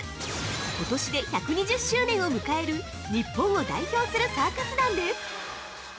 今年で１２０周年を迎える日本を代表するサーカス団です！